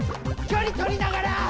距離とりながら！